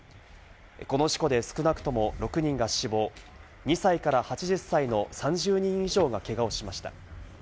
この事故で少なくとも６人が死亡、２歳から８０歳の３０人以上がけがをしました。